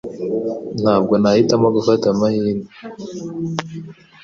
Ntabwo nahitamo gufata amahirwe